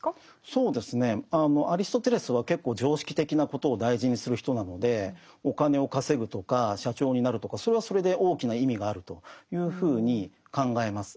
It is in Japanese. そうですねアリストテレスは結構常識的なことを大事にする人なのでお金を稼ぐとか社長になるとかそれはそれで大きな意味があるというふうに考えます。